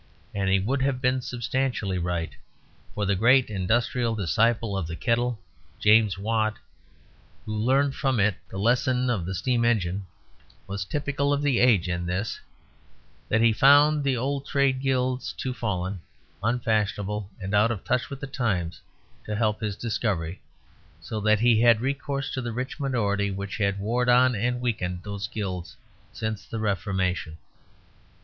And he would have been substantially right; for the great industrial disciple of the kettle, James Watt (who learnt from it the lesson of the steam engine), was typical of the age in this, that he found the old Trade Guilds too fallen, unfashionable and out of touch with the times to help his discovery, so that he had recourse to the rich minority which had warred on and weakened those Guilds since the Reformation.